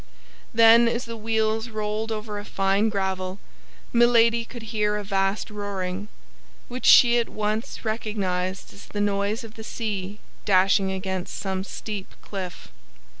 Then, as the wheels rolled over a fine gravel, Milady could hear a vast roaring, which she at once recognized as the noise of the sea dashing against some steep cliff.